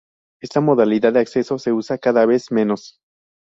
Esta modalidad de acceso se usa cada vez menos.